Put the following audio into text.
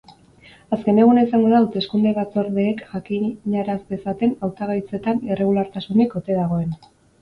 Azken eguna izango da hauteskunde batzordeek jakinaraz dezaten hautagaitzetan irregulartasunik ote dagoen.